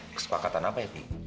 kesepakatan apa efi